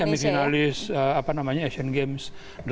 iya semifinalis apa namanya asian games